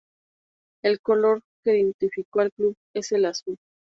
El color que identificó al club es el azul.